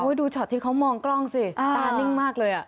ดูช็อตที่เขามองกล้องสิตานิ่งมากเลย